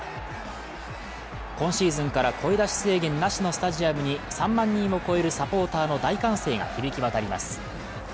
今シーズンから声出し制限なしのスタジアムに３万人を超えるサポーターの大歓声が響き渡ります。